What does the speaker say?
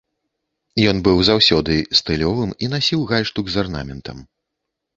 Ён быў заўсёды стылёвым і насіў гальштук з арнаментам.